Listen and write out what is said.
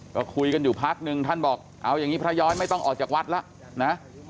ก็คุยกันอยู่พักนึงท่านบอกเอาอย่างนี้พระย้อยไม่ต้องออกจากวัดแล้วนะ